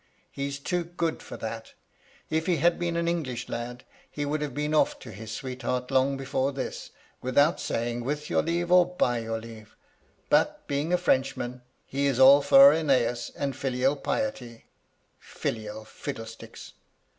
He's too good for that If he had been an English lad, he would have been off to his sweet^ heart long before this, without saying with your leave or by your leave ; but being a Frenchman, he is all for JEneas and filial piety, — filial fiddle sticks